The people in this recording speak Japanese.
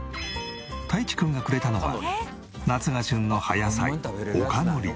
たいちくんがくれたのは夏が旬の葉野菜陸海苔。